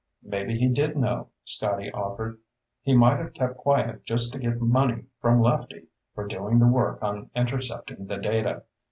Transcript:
"Maybe he did know," Scotty offered. "He might have kept quiet just to get money from Lefty for doing the work on intercepting the data.